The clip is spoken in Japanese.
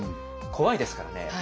怖いですからね